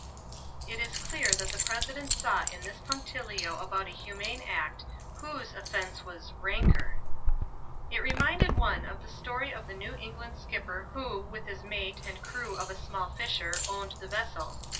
It is clear that the President saw in this punctilio about a humane act, whose "offense was ranker." It reminded one of the story of the New England skipper who, with his mate and crew of a small fisher owned the vessel.